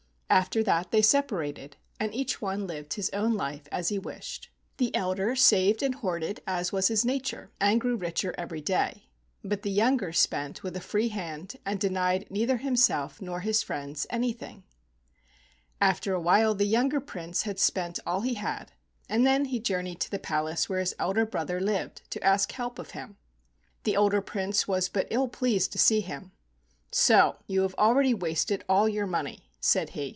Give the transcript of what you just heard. After that they separated, and each one lived his own life as he wished. The elder saved and hoarded as was his nature, and grew richer every day, but the younger spent with a free hand, and denied neither himself nor his friends any¬ thing. After a while the younger Prince had spent all he had, and then he journeyed to the palace where his elder brother lived to ask help of him. The older Prince was but ill pleased to see him. "So you have already wasted all your money," said he.